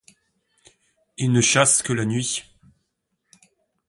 Il ne chasse que la nuit.